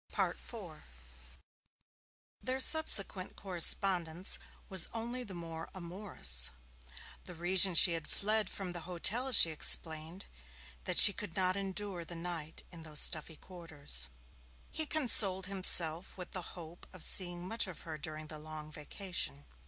IV Their subsequent correspondence was only the more amorous. The reason she had fled from the hotel, she explained, was that she could not endure the night in those stuffy quarters. He consoled himself with the hope of seeing much of her during the Long Vacation.